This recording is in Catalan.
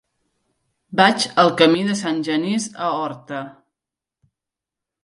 Vaig al camí de Sant Genís a Horta.